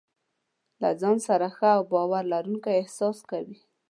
له ځان سره ښه او باور لرونکی احساس کوي.